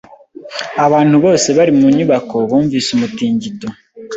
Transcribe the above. Abantu bose bari mu nyubako bumvise umutingito .